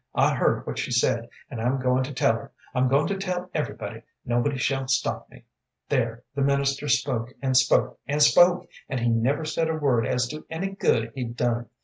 "I heard what she said, and I'm goin' to tell her. I'm goin' to tell everybody. Nobody shall stop me. There the minister spoke and spoke and spoke, and he never said a word as to any good he'd done.